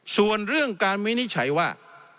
ส่วนเรื่องการวินิจฉัยว่า